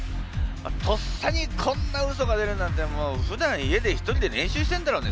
とっさにこんなウソが出るなんてふだん家で１人で練習してるんだろうね。